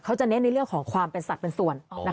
จะเน้นในเรื่องของความเป็นสัตว์เป็นส่วน